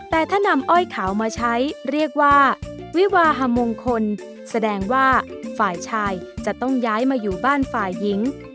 แต่ถ้านำอ้อยขาวมาใช้เรียกว่าวิวาฮมงคลแสดงว่าฝ่ายชายจะต้องย้ายมาอยู่บ้านฝ่ายหญิง